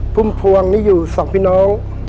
พุ่มพวงนี่อยู่สองพี่น้อง